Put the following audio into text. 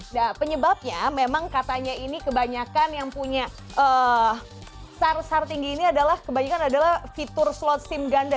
nah penyebabnya memang katanya ini kebanyakan yang punya sar sar tinggi ini adalah kebanyakan adalah fitur slot sim ganda